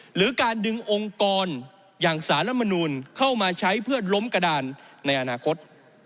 หรือการดึงองค์กรอย่างสารมนูลเข้ามาใช้เพื่อล้มกระดานในอนาคต